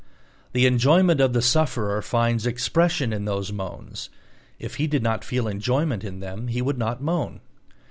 The enjoyment of the sufferer finds expression in those moans; if he did not feel enjoyment in them he would not moan.